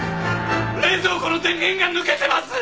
冷蔵庫の電源が抜けてます！